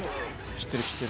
「知ってる知ってる」